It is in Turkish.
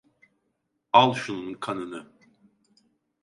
Al şunun kanını!